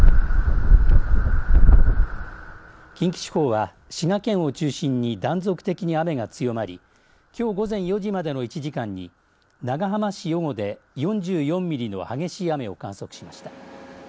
近畿地方は滋賀県を中心に断続的に雨が強まりきょう午前４時までの１時間に長浜市余呉で４４ミリの激しい雨を観測しました。